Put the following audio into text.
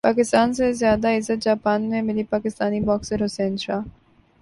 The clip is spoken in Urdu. پاکستان سے زیادہ عزت جاپان میں ملی پاکستانی باکسر حسین شاہ